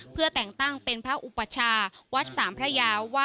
เพื่อแต่งตั้งเป็นพระอุปชาวัดสามพระยาว